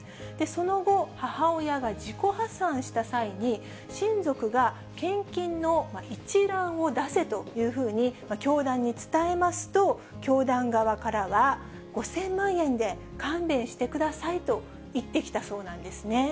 その後、母親が自己破産した際に、親族が献金の一覧を出せというふうに教団に伝えますと、教団側からは、５０００万円で勘弁してくださいと言ってきたそうなんですね。